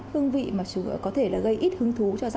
hương vị mà có thể gây ít hương vị